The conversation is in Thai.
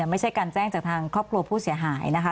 ไม่ใช่การแจ้งจากทางครอบครัวผู้เสียหายนะคะ